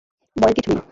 ভয়ের কিছু নেই।